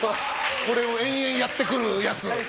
これを延々やってくるやつ。